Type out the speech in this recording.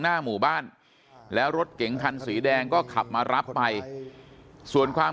หน้าหมู่บ้านแล้วรถเก๋งคันสีแดงก็ขับมารับไปส่วนความ